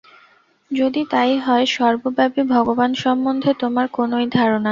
যদি তাই হয়, সর্বব্যাপী ভগবান সম্বন্ধে তোমার কোনই ধারণা নাই।